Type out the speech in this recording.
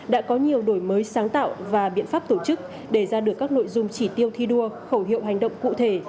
đã có nhiều đổi mới sáng tạo và biện pháp tổ chức để ra được các nội dung chỉ tiêu thi đua khẩu hiệu hành động cụ thể